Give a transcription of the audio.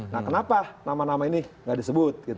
nah kenapa nama nama ini nggak disebut